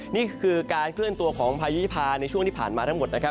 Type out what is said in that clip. นี่คือการเคลื่อนตัวของพายุภาในช่วงที่ผ่านมาทั้งหมดนะครับ